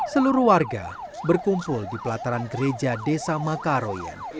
seluruh warga berkumpul di pelataran gereja desa makaroyen